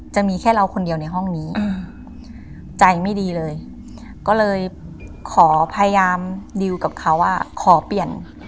จะมีแค่เราคนเดียวในห้องนี้ใจไม่ดีเลยก็เลยขอพยายามดิวกับเขาว่าขอเปลี่ยน